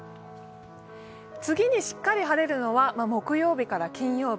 次にしっかり晴れるのは木曜日から金曜日。